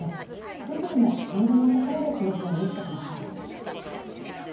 くれぐれも安全なところで過ごすようにしてください。